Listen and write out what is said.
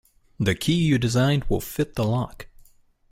The key you designed will fit the lock.